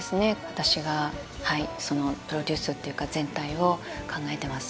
私がプロデュースっていうか全体を考えてます